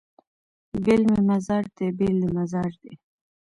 بېل مې مزاج دی بېل دې مزاج دی